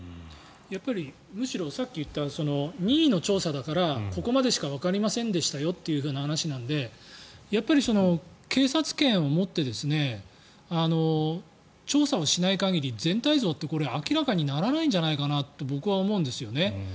むしろ、さっき言った任意の調査だからここまでしかわかりませんでしたよという話なので警察権をもって調査をしない限り全体像って明らかにならないんじゃないかと僕は思います。